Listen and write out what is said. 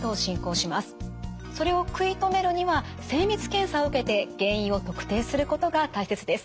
それを食い止めるには精密検査を受けて原因を特定することが大切です。